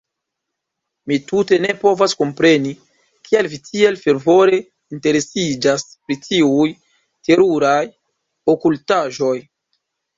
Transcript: Mi tute ne povas kompreni, kial vi tiel fervore interesiĝas pri tiuj teruraj okultaĵoj.